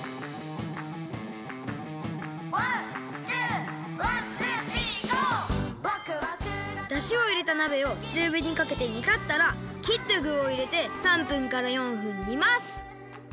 「ワンツーワンツースリーＧＯ！」だしをいれたなべをちゅうびにかけてにたったらきったぐをいれて３分から４分にます！